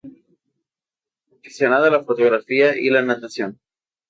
Aficionada a la fotografía y la natación.